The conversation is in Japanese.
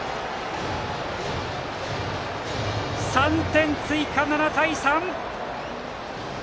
３点追加、７対３！